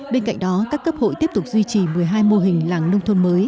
bên cạnh đó các cấp hội tiếp tục duy trì một mươi hai mô hình làng nông thôn mới